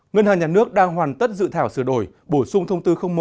ngân hàng nhà nước đang hoàn tất dự thảo sửa đổi bổ sung thông tư một